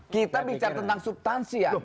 kita bicara tentang substansian